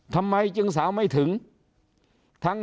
ทำไมจึงสาวไม่ถึง